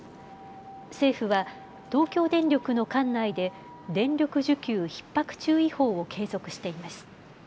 政府は東京電力の管内で電力需給ひっ迫注意報を継続しています。